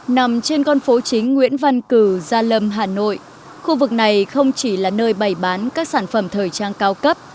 nằm trên con phố chính nguyễn văn cử gia lâm hà nội khu vực này không chỉ là nơi bày bán các sản phẩm thời trang cao cấp